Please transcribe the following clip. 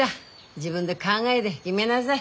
自分で考えで決めなさい。